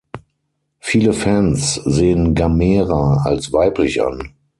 Viele Fans sehen Gamera als weiblich an.